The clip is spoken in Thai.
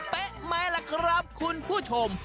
ไหมล่ะครับคุณผู้ชม